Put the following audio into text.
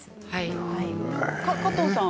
加藤さん